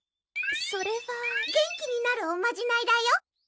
それは元気になるおまじないだよ！